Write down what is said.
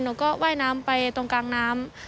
หนูก็ว่ายน้ำไปตรงกลางน้ำ